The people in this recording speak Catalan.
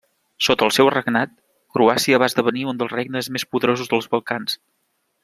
Sota el seu regnat, Croàcia va esdevenir un dels regnes més poderosos dels Balcans.